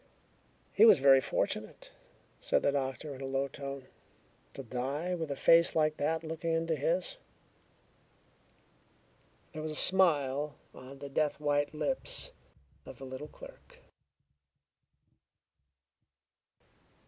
"He was very fortunate," said the doctor in a low tone, "to die with a face like that looking into his." There was a smile on the death white lips of the little clerk.